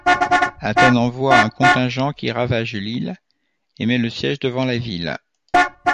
Athènes envoie un contingent qui ravage l'île et met le siège devant la ville.